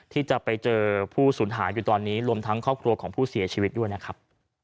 ที่จะไปเจอผู้สูญหายอยู่ตอนนี้รวมทั้งครอบครัวของผู้เสียชีวิตด้วยนะครับ